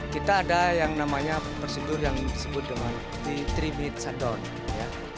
kita ada yang namanya prosedur yang disebut dengan tiga minute shutdown